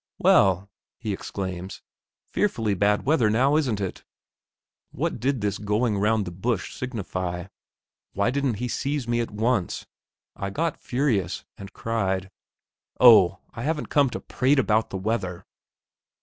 "Well!" he exclaims; "fearfully bad weather now, isn't it?" What did this going round the bush signify? Why didn't he seize me at once? I got furious, and cried: "Oh, I haven't come to prate about the weather."